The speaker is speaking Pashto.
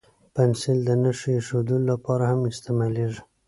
پنسل د نښې اېښودلو لپاره هم استعمالېږي.